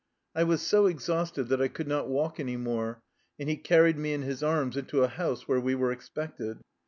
I was so exhausted that I could not walk any more, and he carried me in his arms into a house where we were expected.